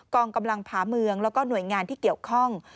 องกำลังผาเมืองแล้วก็หน่วยงานที่เกี่ยวข้อง